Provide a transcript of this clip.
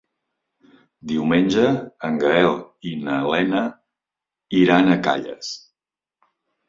Diumenge en Gaël i na Lena iran a Calles.